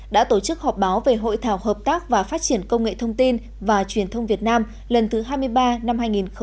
đã tổ chức họp báo về hội thảo hợp tác và phát triển công nghệ thông tin và truyền thông việt nam lần thứ hai mươi ba năm hai nghìn một mươi chín